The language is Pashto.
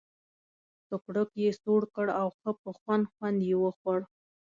سوکړک یې سوړ کړ او ښه په خوند خوند یې وخوړ.